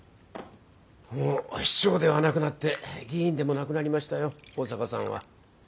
もう市長ではなくなって議員でもなくなりましたよ保坂さんは。